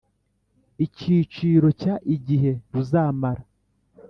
Icyiciro cya Igihe ruzamara